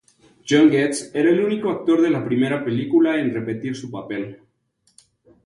John Getz era el único actor de la primera película en repetir su papel.